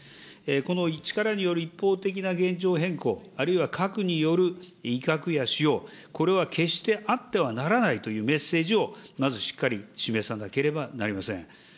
この力による一方的な現状変更、あるいは核による威嚇や使用、これは決してあってはならないというメッセージを、まずしっかり示さなければなりません。